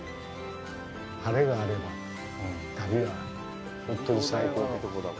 晴れがあれば、旅は本当に最高です。